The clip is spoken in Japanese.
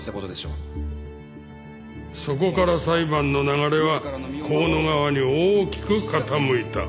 そこから裁判の流れは香野側に大きく傾いた。